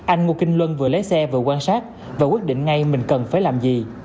anh ngô kinh luân vừa lấy xe vừa quan sát và quyết định ngay mình cần phải làm gì